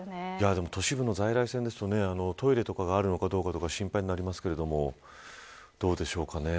都市部の在来線ですとトイレとかあるのかどうか心配になりますけどどうでしょうかね。